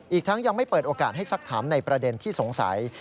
อีกทั้งยังไม่เปิดโอกาสให้สักถามในประเด็นที่สงสัย